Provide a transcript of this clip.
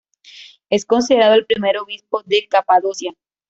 Es considerado el primer obispo de Capadocia.